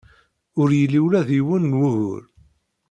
Ur yelli ula d yiwen n wugur.